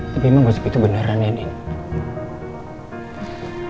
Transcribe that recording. tapi emang gosip itu beneran ya nin